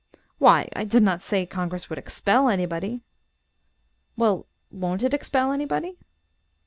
"Why I did not say Congress would expel anybody." "Well won't it expel anybody?"